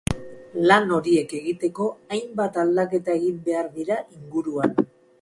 Lan horiek egiteko, hainbat aldaketa egin beharko dira inguruan.